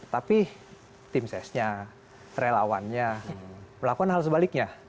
tapi tim cs nya relawannya melakukan hal sebaliknya